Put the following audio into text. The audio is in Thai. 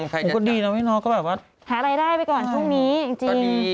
พวกมันดีนะว่าน้องน้องหาอะไรได้ไปก่อนช่วงนี้จริง